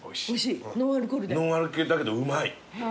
ノンアルだけどうまい。